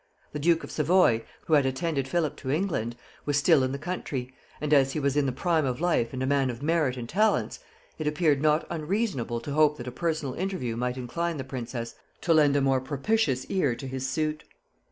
The duke of Savoy, who had attended Philip to England, was still in the country; and as he was in the prime of life and a man of merit and talents, it appeared not unreasonable to hope that a personal interview might incline the princess to lend a more propitious ear to his suit.